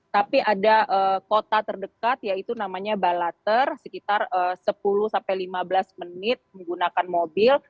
tapi ada kota terdekat yaitu namanya balater sekitar sepuluh lima belas menit menggunakan mobil